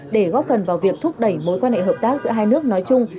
để góp phần vào việc thúc đẩy mối quan hệ hợp tác giữa hai nước nói chung